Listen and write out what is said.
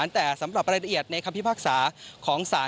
แต่สำหรับรายละเอียดในคำพิพากษาของศาล